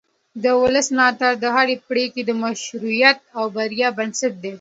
د ولس ملاتړ د هرې پرېکړې د مشروعیت او بریا بنسټ دی